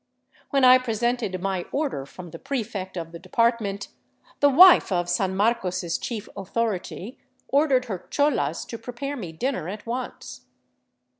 When I presented my order from the prefect of the depart ment, the wife of San Marcos' chief " authority " ordered her cholas to prepare me dinner at once.